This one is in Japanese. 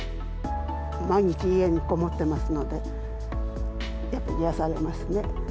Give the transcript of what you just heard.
毎日家にこもってますので、やっぱり癒やされますね。